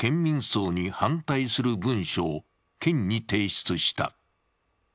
葬に反対する文書を県に提出した。